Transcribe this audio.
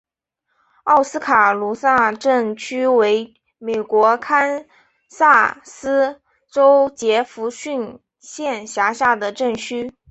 奥斯卡卢萨镇区为美国堪萨斯州杰佛逊县辖下的镇区。